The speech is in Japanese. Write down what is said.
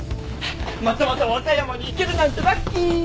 またまた和歌山に行けるなんてラッキー！